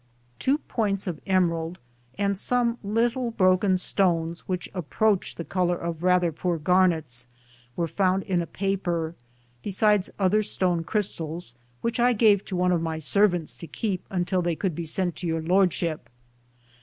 Two points of emerald and some little broken stones which approach the color of rather poor garnets ' were found in a paper, besides other atone crystals, which I gave to one of my servants to keep until they could be sent to Your Lordship.